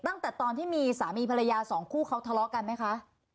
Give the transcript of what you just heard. ตั้งแต่ตอนที่มีสามีภรรยาสองคู่เขาทะเลาะกันไหมคะ